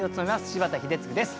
柴田英嗣です。